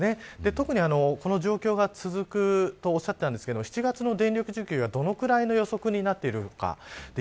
特に、この状況が続くとおっしゃってたんですが７月の電力需給がどのくらいの予測になっているのか。